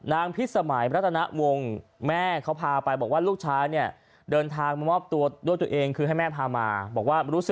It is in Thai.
นางพิษสมัยและลักษณะวงศ์